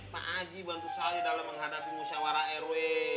pak aji bantu saya dalam menghadapi musyawarah rw